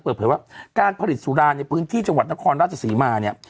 เปิดเผยว่าการผลิตสุราในพื้นที่จังหวัดนครราชศรีมาเนี่ย